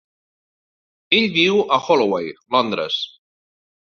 Ell viu a Holloway, Londres.